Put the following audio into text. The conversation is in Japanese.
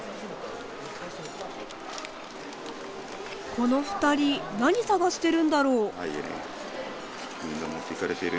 この２人何探してるんだろう。